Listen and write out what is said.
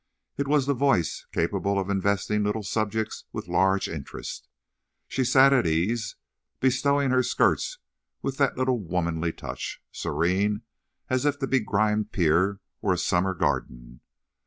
It was the voice capable of investing little subjects with a large interest. She sat at ease, bestowing her skirts with the little womanly touch, serene as if the begrimed pier were a summer garden.